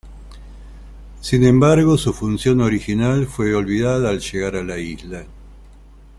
Sin embargo su función original fue olvidada al llegar a la isla.